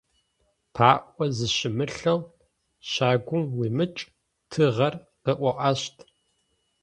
ПаӀо зыщымылъэу щагум уимыкӀ, тыгъэр къыоӀащт.